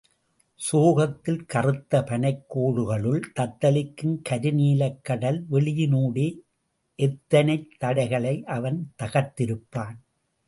சோகத்தில் கறுத்த பனைக் கோடுகளுள் தத்தளிக்கும் கருநீலக் கடல் வெளியினூடே எத்தனைத் தடைகளை அவன் தகர்த்திருப்பான்?